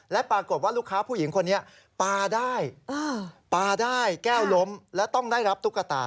และปรากฏว่าลูกค้าผู้หญิงคนนี้ปลาได้ปลาได้แก้วล้มและต้องได้รับตุ๊กตา